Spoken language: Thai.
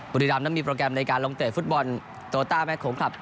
บุรีรำนั้นมีโปรแกรมในการลงเตะฟุตบอลโตต้าแม่โขงคลับ